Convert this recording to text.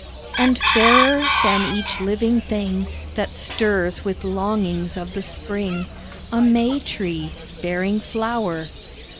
And fairer than each living thing That stirs with longings of the Spring, A May tree, bearing flower.